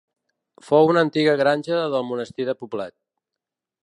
Fou una antiga granja del Monestir de Poblet.